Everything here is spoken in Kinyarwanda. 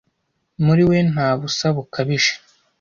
muri we nta busa bukabije